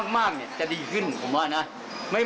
มากจะดีขึ้นผมว่านะ